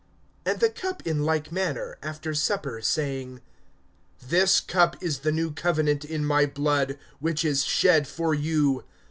(20)And the cup in like manner after supper, saying: This cup is the new covenant in my blood, which is shed for you.